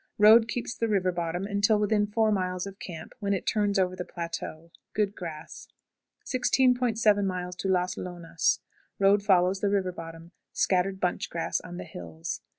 Road keeps the river bottom until within four miles of camp, when it turns over the plateau. Good grass. 16.70. Las Lonas. Road follows the river bottom. Scattered bunch grass on the hills.